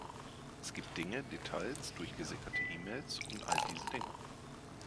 Es gibt Dinge, Details, durchgesickerte E-Mails und all diese Dinge.